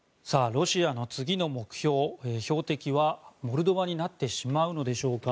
ロシアの次の目標標的はモルドバになってしまうのでしょうか。